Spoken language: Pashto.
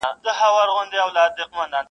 ګوره یو څه درته وایم دا تحلیل دي ډېر نا سم دی-